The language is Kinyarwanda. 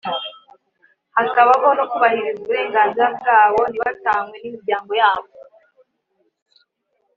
hakabaho no kubahiriza uburenganzira bwabo ntibatanywe n’imiryango yabo